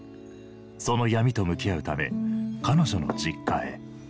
その闇と向き合うため彼女の実家へ。